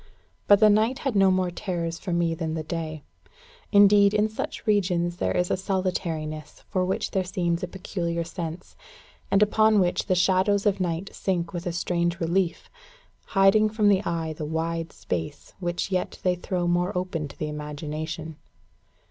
But the night had no more terrors for me than the day. Indeed, in such regions there is a solitariness for which there seems a peculiar sense, and upon which the shadows of night sink with a strange relief, hiding from the eye the wide space which yet they throw more open to the imagination.